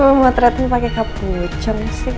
kenapa semua motretnya pake kapucong sih